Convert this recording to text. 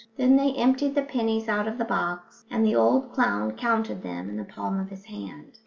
Then they emptied the pennies out of the box, and the old clown counted them in the palm of his hand.